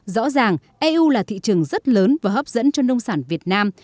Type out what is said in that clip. rõ ràng eu là thị trường rất lớn và hấp dẫn cho nông sản việt nam